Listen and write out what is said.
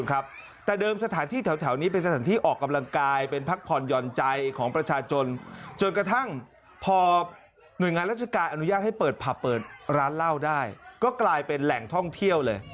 ก็กลายเป็นแหล่งท่องเที่ยวเลย